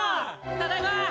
ただいま。